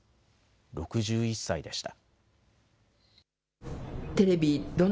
６１歳でした。